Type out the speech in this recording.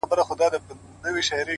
یو ګنجی خدای برابر پر دې بازار کړ!!